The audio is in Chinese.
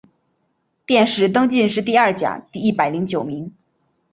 殿试登进士第二甲第一百零九名。